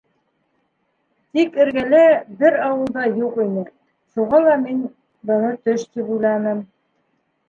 Тик эргәлә бер ауыл да юҡ ине, шуға ла мин быны төш тип уйланым.